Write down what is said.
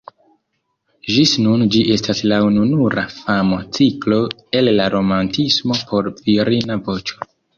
Ĝis nun ĝi estas la ununura fama ciklo el la romantismo por virina voĉo.